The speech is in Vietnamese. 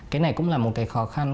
cái này cũng là một cái khó khăn